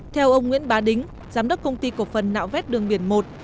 theo ông nguyễn bá đính giám đốc công ty cổ phần nạo vét đường biển một